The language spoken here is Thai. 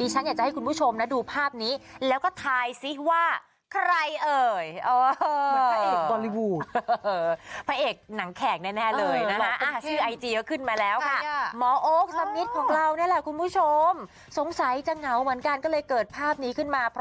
จะเหงาขึ้นมา